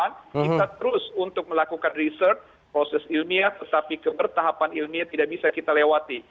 kita terus untuk melakukan riset proses ilmiah tetapi kebertahapan ilmiah tidak bisa kita lewati